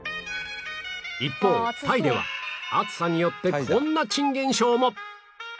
一方タイでは暑さによってこんな珍現象も！